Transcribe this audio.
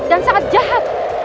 dan sangat jahat